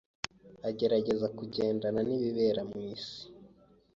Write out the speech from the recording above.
Agerageza kugendana nibibera mwisi.